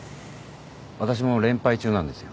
わたしも連敗中なんですよ。